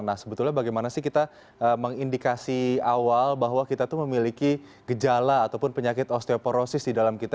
nah sebetulnya bagaimana sih kita mengindikasi awal bahwa kita tuh memiliki gejala ataupun penyakit osteoporosis di dalam kita